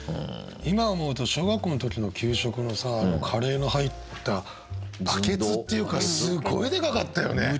今思うと小学校の時の給食のさカレーの入ったバケツっていうかすごいでかかったよね。